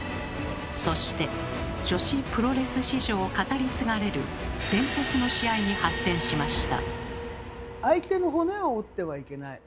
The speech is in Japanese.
そして女子プロレス史上語り継がれる伝説の試合に発展しました。